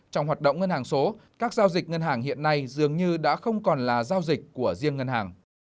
trong hoạt động ngân hàng số các giao dịch ngân hàng hiện nay dường như đã không còn là giao dịch của riêng ngân hàng